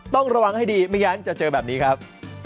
ต้องระวังให้ดีไม่งั้นจะเจอแบบนี้ครับ